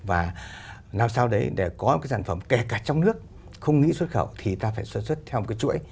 và làm sao đấy để có cái sản phẩm kể cả trong nước không nghĩ xuất khẩu thì ta phải sản xuất theo một cái chuỗi